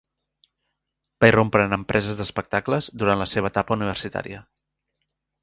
Va irrompre en empreses d'espectacles durant la seva etapa universitària.